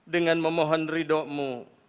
dengan memohon ridok mu